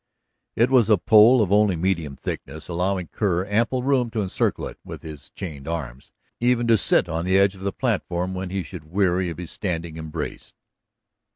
It was a pole of only medium thickness, allowing Kerr ample room to encircle it with his chained arms, even to sit on the edge of the platform when he should weary of his standing embrace.